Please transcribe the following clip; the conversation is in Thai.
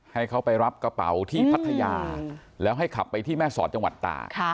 ให้เขาไปรับกระเป๋าที่พัทยาแล้วให้ขับไปที่แม่สอดจังหวัดตาก